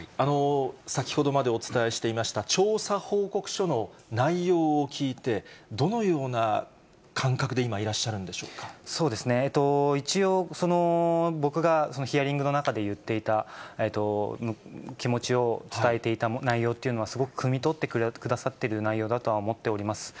先ほどまでお伝えしていました調査報告書の内容を聞いて、どのような感覚で今、いらっしゃそうですね、一応、僕がヒアリングの中で言っていた気持ちを伝えていた内容っていうのは、すごくくみ取ってくださっている内容だとは思っております。